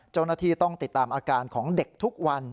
เจ้าหน้าที่ต้องติดตามอาการของเด็กทุกวัน